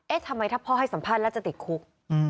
เอ๊ะทำไมถ้าพ่อให้สัมพันธ์แล้วจะติดคุก